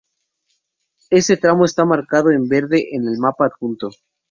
Este tramo está marcado en verde en el mapa adjunto.